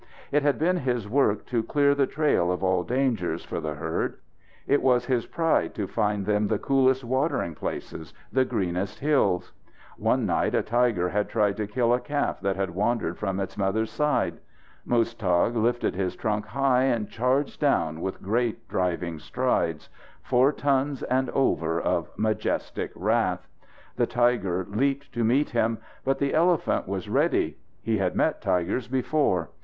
It had been his work to clear the trail of all dangers for the herd. It was his pride to find them the coolest watering places, the greenest hills. One night a tiger had tried to kill a calf that had wandered from its mother's side. Muztagh lifted his trunk high and charged down with great, driving strides four tons and over of majestic wrath. The tiger leaped to meet him, but the elephant was ready. He had met tigers before.